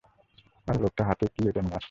আরে, লোকটা হাতে ওটা কী নিয়ে আসছে?